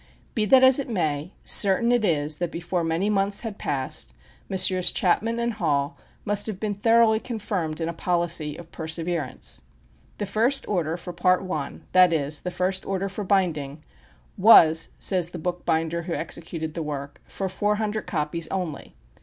Be that as it may, certain it is that before many months had passed, Messrs. Chapman and Hall must have been thoroughly confirmed in a policy of perseverance. "The first order for Part I.," that is, the first order for binding, "was," says the bookbinder who executed the work, "for four hundred copies only."